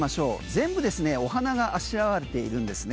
全部、お花があしらわれているんですね。